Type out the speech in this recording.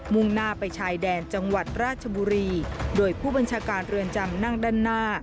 ่งหน้าไปชายแดนจังหวัดราชบุรีโดยผู้บัญชาการเรือนจำนั่งด้านหน้า